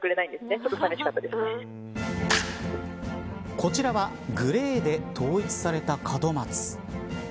こちらはグレーで統一された門松。